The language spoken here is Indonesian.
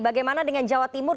bagaimana dengan jawa timur